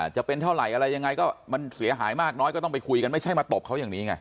จะเป็นเท่าไหร่อะไรยังไงก็มันเสียหายมากน้อยก็ต้องไปคุยกันไม่ใช่มาตบเขาอย่างนี้ไง